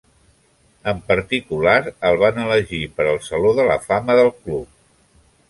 En particular, el van elegir per al Saló de la Fama del club.